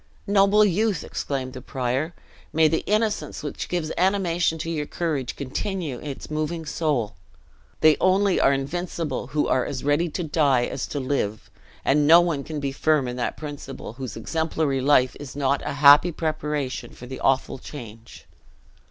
"Noble youth!" exclaimed the prior, "may the innocence which gives animation to your courage, continue its moving soul! They only are invincible who are as ready to die as to live; and no one can be firm in that principle, whose exemplary life is not a happy preparation for the awful change."